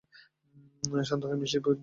শান্ত হয়ে মিষ্টি নিয়ে ভাগ!